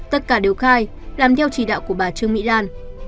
tất cả đều khai làm theo chỉ đạo của bà trương mỹ lan